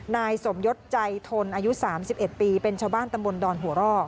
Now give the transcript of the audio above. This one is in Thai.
นายสมยศใจทนอายุ๓๑ปีเป็นชาวบ้านตำบลดอนหัวร่อ